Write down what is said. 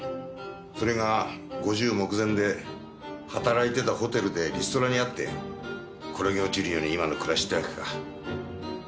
それが５０目前で働いてたホテルでリストラにあって転げ落ちるように今の暮らしってわけか。